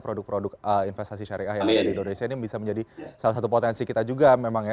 produk produk investasi syariah indonesia ini bisa menjadi salah satu potensi kita juga memangnya